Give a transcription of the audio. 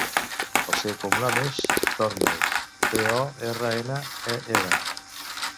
El seu cognom és Tornel: te, o, erra, ena, e, ela.